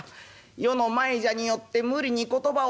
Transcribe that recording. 「余の前じゃによって無理に言葉を改めておる。